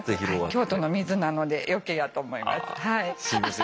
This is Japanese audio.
京都の水なので余計やと思います。